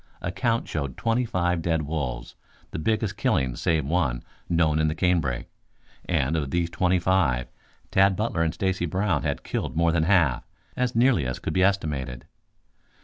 A count showed twenty five dead wolves, the biggest killing, save one, known in the canebrake. And of these twenty five, Tad Butler and Stacy Brown had killed more than half, as nearly as could be estimated.